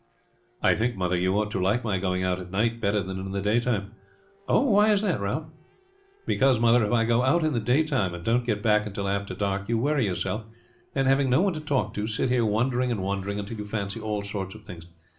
"I think, mother, you ought to like my going out at night better than in the daytime." "Why, Ralph?" "Because, mother, if I go out in the daytime and don't get back until after dark, you worry yourself, and having no one to talk to, sit here wondering and wondering until you fancy all sorts of things.